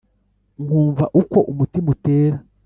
nkumva uko umutima utera,